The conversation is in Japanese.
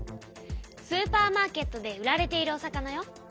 スーパーマーケットで売られているお魚よ。